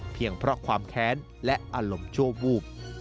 เพียงเพราะความแค้นและอารมณ์โจวบูบ